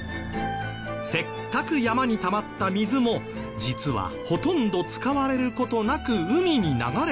せっかく山にたまった水も実はほとんど使われる事なく海に流れてしまっているのです。